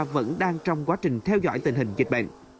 vẫn đang trong quá trình theo dõi tình hình dịch bệnh